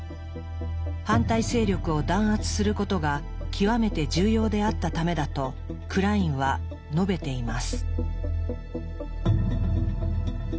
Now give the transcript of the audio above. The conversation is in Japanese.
反対勢力を弾圧することが極めて重要であったためだとクラインは述べています。